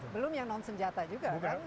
belum yang non senjata juga kan